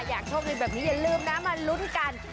อยากโชคดีแบบนี้อย่าลืมนะมาลุ้นกัน